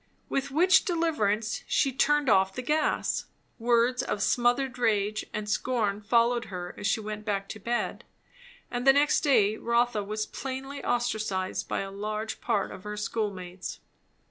With which deliverance she turned off the gas. Words of smothered rage and scorn followed her as she went back to bed; and the next day Rotha was plainly ostracised by a large part of her school mates.